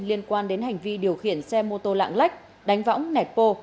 liên quan đến hành vi điều khiển xe mô tô lạng lách đánh võng nẹt pô